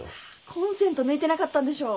コンセント抜いてなかったんでしょ。